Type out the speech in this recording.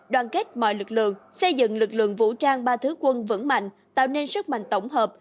đoàn kết mọi lực lượng xây dựng lực lượng vũ trang ba thứ quân vững mạnh tạo nên sức mạnh tổng hợp